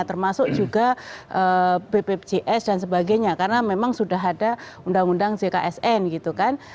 termasuk juga bpjs dan sebagainya karena memang sudah ada undang undang jksn gitu kan